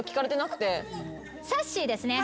さっしーですね。